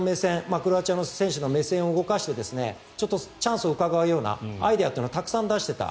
クロアチアの選手の目線を動かしてチャンスをうかがうようなアイデアというのをたくさん出していた。